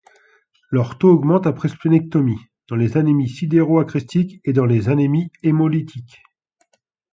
Leur taux augmente après splénectomie, dans les anémies sidéroachrestiques et dans les anémies hémolytiques.